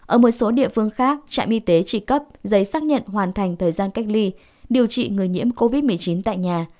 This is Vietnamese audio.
ở một số địa phương khác trạm y tế chỉ cấp giấy xác nhận hoàn thành thời gian cách ly điều trị người nhiễm covid một mươi chín tại nhà